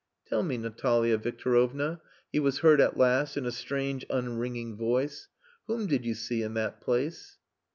"Tell me, Natalia Victorovna," he was heard at last in a strange unringing voice, "whom did you see in that place?"